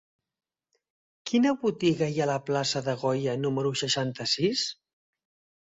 Quina botiga hi ha a la plaça de Goya número seixanta-sis?